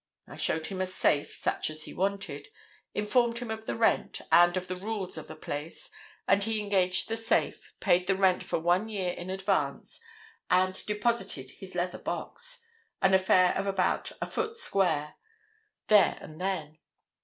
I showed him a safe such as he wanted, informed him of the rent, and of the rules of the place, and he engaged the safe, paid the rent for one year in advance, and deposited his leather box—an affair of about a foot square—there and then.